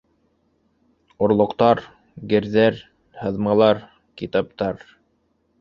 Орлоҡтар, герҙәр, һыҙмалар, китаптар...